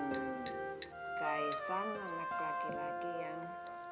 fahmi kaisan anak laki laki yang